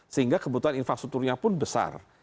sehingga kebutuhan infrastrukturnya pun besar